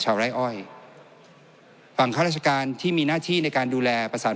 ไร้อ้อยฝั่งข้าราชการที่มีหน้าที่ในการดูแลประสาน